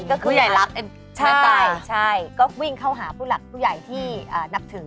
ก็คือค่ะใช่ก็วิ่งเข้าหาผู้หลักผู้ใหญ่ที่นับถือ